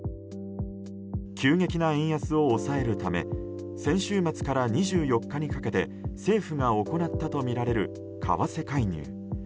急激な円安を抑えるため先週末から２４日かけて、政府が行ったとみられる為替介入。